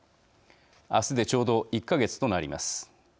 明日でちょうど１か月となります。